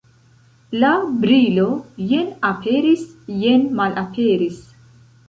La brilo jen aperis, jen malaperis.